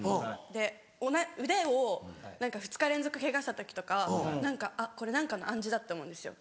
で腕を２日連続ケガした時とかあっこれ何かの暗示だって思うんですよ。